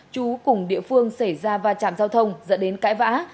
chú cùng địa phương xảy ra va chạm giao thông dẫn đến cãi vã